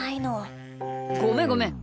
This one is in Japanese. ごめんごめん。